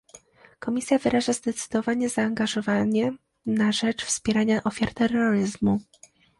Komisja wyraża zdecydowane zaangażowanie na rzecz wspierania ofiar terroryzmu